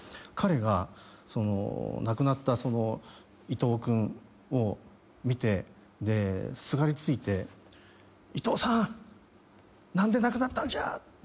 彼が亡くなった伊藤君を見てですがりついて「伊藤さん何で亡くなったんじゃ！」